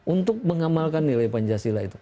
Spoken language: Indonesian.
untuk mengamalkan nilai pancasila itu